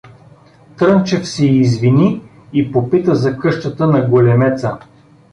Трънчев се извини и попита за къщата на големеца.